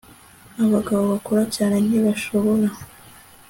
abagabo bakora cyane, ntibashobora